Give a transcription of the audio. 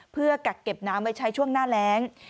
เพื่อกักเก็บน้ำไว้ใช้ช่วงหน้าแรง